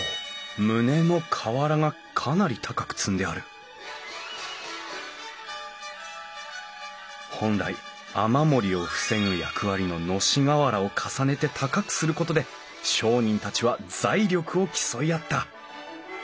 棟の瓦がかなり高く積んである本来雨漏りを防ぐ役割の熨斗瓦を重ねて高くすることで商人たちは財力を競い合った。